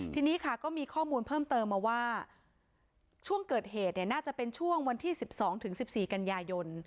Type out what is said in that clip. ทีนี้ค่ะก็มีข้อมูลเพิ่มเติมมาว่าช่วงเกิดเหตุน่าจะเป็นช่วงวันที่๑๒๑๔กันยายน